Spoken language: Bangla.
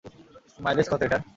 মাইলেজ কত এটার?